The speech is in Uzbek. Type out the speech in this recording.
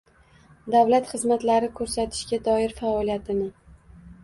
davlat xizmatlari ko‘rsatishga doir faoliyatini